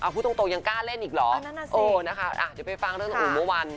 พูดตรงยังกล้าเล่นอีกเหรอโอ้โฮนะคะจะไปฟังเรื่องเมื่อวัน